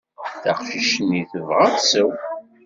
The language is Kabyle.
Taqcict-nni tebɣa ad tsew.